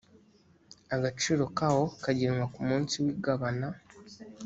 agaciro kawo kagenwa ku munsi w igabana